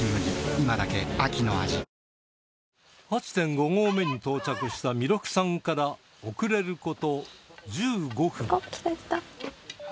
今だけ秋の味８．５ 合目に到着した弥勒さんから遅れる事１５分